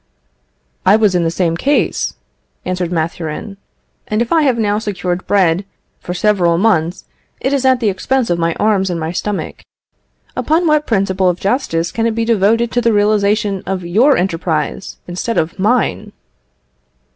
"I was in the same case," answered Mathurin, "and if I have now secured bread for several months, it is at the expense of my arms and my stomach. Upon what principle of justice can it be devoted to the realisation of your enterprise instead of _mine?